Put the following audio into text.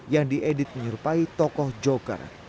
yang diedit menyerupai tokoh joker